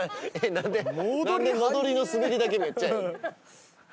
何で戻りの滑りだけめっちゃいいん？